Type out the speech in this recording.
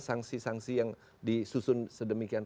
sanksi sanksi yang disusun sedemikian